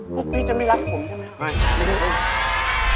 พวกพี่จะไม่รักผมใช่ไหม